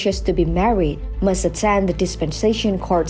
harus menghadiri sesi perundangan penyelamat